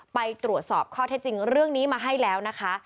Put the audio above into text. ไปตรวจสอบข้อเท็จจริงเรื่องนี้มาให้แล้วนะคะ